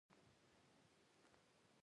د وطن د امن او وقار پرضد په جګړه کې دي.